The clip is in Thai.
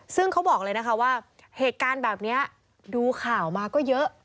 ซึ่งเขาบอกเลยนะคะว่าเหตุการณ์แบบนี้ดูข่าวมาก็เยอะ